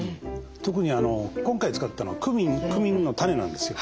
特に今回使ったのはクミンの種なんですよ。